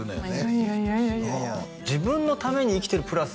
いやいやいや自分のために生きてるプラス